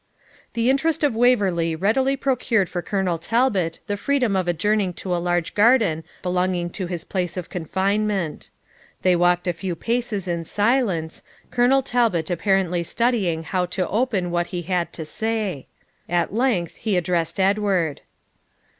The interest of Waverley readily procured for Colonel Talbot the freedom of adjourning to a large garden belonging to his place of confinement. They walked a few paces in silence, Colonel Talbot apparently studying how to open what he had to say; at length he addressed Edward.